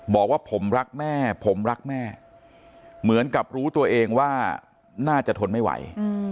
บอกว่าผมรักแม่ผมรักแม่เหมือนกับรู้ตัวเองว่าน่าจะทนไม่ไหว